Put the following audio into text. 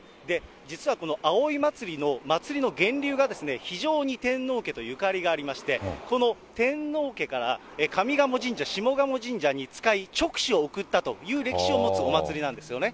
実はこの葵祭の祭りの源流が、非常に天皇家とゆかりがありまして、この天皇家から上賀茂神社、下鴨神社に近い、勅使を送ったという歴史を持つお祭りなんですよね。